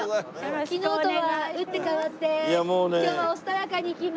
昨日とは打って変わって今日はおしとやかにいきまーす。